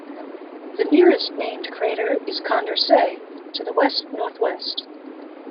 The nearest named crater is Condorcet to the west-northwest.